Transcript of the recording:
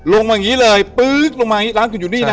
ลงมาอย่างนี้เลยปึ๊กลงมาอย่างนี้ร้านคุณอยู่นี่นะฮะ